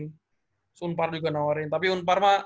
terus unpar juga nawarin tapi unpar mah